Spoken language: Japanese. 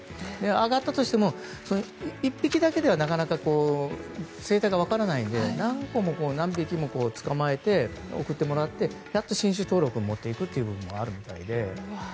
揚がったとしても１匹だけではなかなか生体が分からないので何個も何匹も捕まえて送ってもらってやっと新種登録に持っていくというのがあるみたいで。